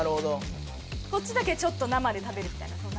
こっちだけちょっと生で食べるみたいなそんな。